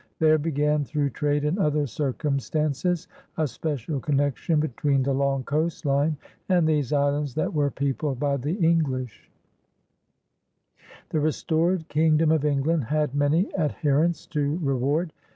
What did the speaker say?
There began, through trade and other circumstances, a special connection between the long coast line and these islands that were peopled by the English. «» PIONEERS OF THE OLD SOUTH The restored Kingdom of England had nuuiy adherents to reward.